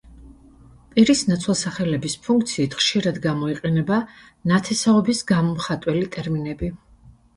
პირის ნაცვალსახელების ფუნქციით ხშირად გამოიყენება ნათესაობის გამომხატველი ტერმინები.